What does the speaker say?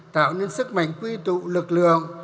tạo nên sức mạnh quy tụ lực lượng